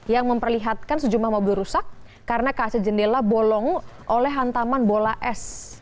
yang memperlihatkan sejumlah mobil rusak karena kaca jendela bolong oleh hantaman bola es